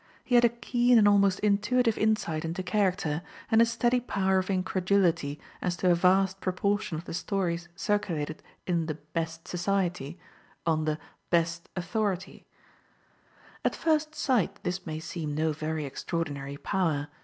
He had a keen and almost intuitive insight into character, and a steady power of in credulity as to a vast proportion of the stories circulated in the " best society'* on the " best authority/* At first sight this may seem no very extraor dinary power.